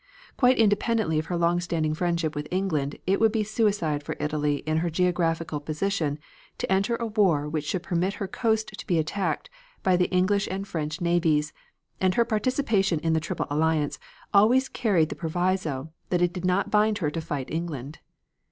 Quite independently of her long standing friendship with England it would be suicide to Italy in her geographical position to enter a war which should permit her coast to be attacked by the English and French navies, and her participation in the Triple Alliance always carried the proviso that it did not bind her to fight England.